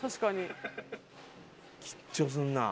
緊張すんなぁ。